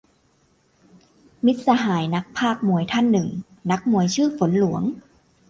มิตรสหายนักพากย์มวยท่านหนึ่ง นักมวยชื่อฝนหลวง